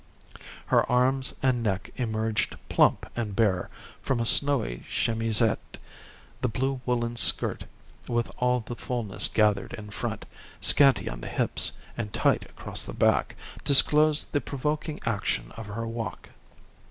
Her arms and neck emerged plump and bare from a snowy chemisette; the blue woollen skirt, with all the fullness gathered in front, scanty on the hips and tight across the back, disclosed the provoking action of her walk.